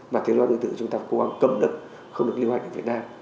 mà thuốc lá điện tử chúng ta cố gắng cấm lực không được lưu hành ở việt nam